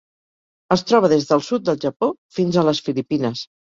Es troba des del sud del Japó fins a les Filipines.